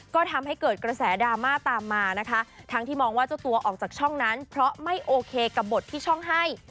ก็ทำให้เกิดกระแสดราม่าตามมานะคะทั้งที่มองว่าเจ้าตัวออกจากช่องนั้นเพราะไม่โอเคกับบทที่ช่องให้